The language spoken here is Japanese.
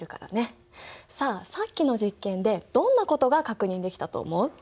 さあさっきの実験でどんなことが確認できたと思う？